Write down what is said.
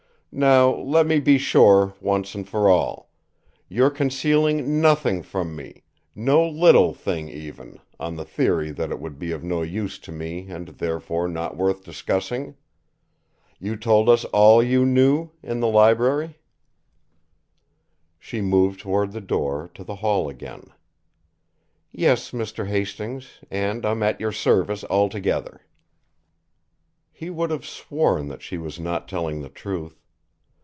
"Now, let me be sure, once for all: you're concealing nothing from me, no little thing even, on the theory that it would be of no use to me and, therefore, not worth discussing? You told us all you knew in the library?" She moved toward the door to the hall again. "Yes, Mr. Hastings and I'm at your service altogether." He would have sworn that she was not telling the truth.